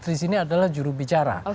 di sini adalah jurubicara